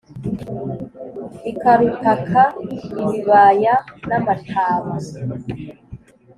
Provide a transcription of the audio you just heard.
ikarutaka ibibaya n’amataba